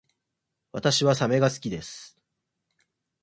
私はサメが好きです